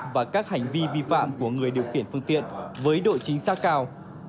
và các hành vi vi phạm của người điều khiển phương tiện với độ chính xác cao